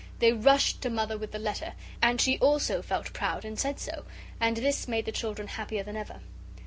They rushed to Mother with the letter, and she also felt proud and said so, and this made the children happier than ever.